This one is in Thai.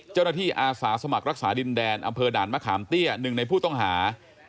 อาสาสมัครรักษาดินแดนอำเภอด่านมะขามเตี้ยหนึ่งในผู้ต้องหา